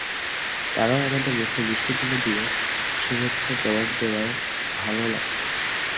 তারাও আমাদের মুখে মিষ্টি তুলে দিয়ে শুভেচ্ছার জবাব দেওয়ায় ভালো লাগছে।